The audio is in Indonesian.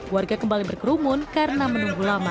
warga kembali berkerumun karena menunggu lama